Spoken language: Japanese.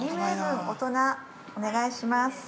◆お願いします。